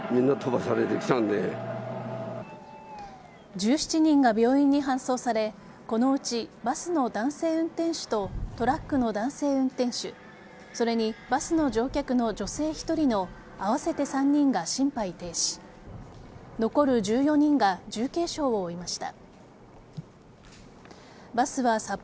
１７人が病院に搬送されこのうち、バスの男性運転手とトラックの男性運転手それにバスの乗客の女性１人の合わせて３人が心肺停止残る１４人が重軽傷を負いました。